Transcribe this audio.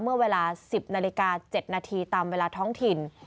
เมื่อเวลา๑๐นาฬิกา๗นาทีตามเวลาท้องถิ่น